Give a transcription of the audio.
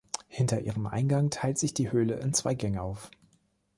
Hinter ihrem Eingang teilt sich die Höhle in zwei Gänge auf.